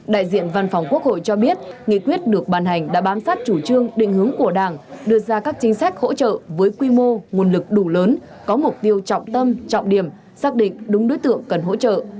đại diện văn phòng quốc hội cho biết nghị quyết được bàn hành đã bám sát chủ trương định hướng của đảng đưa ra các chính sách hỗ trợ với quy mô nguồn lực đủ lớn có mục tiêu trọng tâm trọng điểm xác định đúng đối tượng cần hỗ trợ